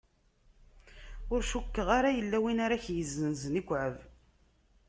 Ur cukkeɣ ara yella win ara k-yezzenzen ikɛeb.